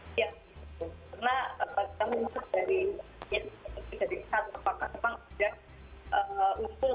karena yang pertama kemungkinan dari pspo kapasiti di pangkat jering ini terpengaruhi unsur dalam kasus yang disempur